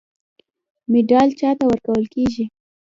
مډال چا ته ورکول کیږي؟